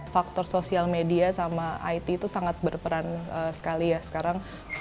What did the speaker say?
faktor sosial media sama it itu sangat berperan sekali ya sekarang